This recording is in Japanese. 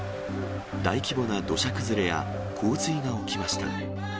大規模な土砂崩れや、洪水が起きました。